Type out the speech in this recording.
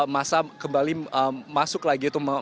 masa kembali masuk lagi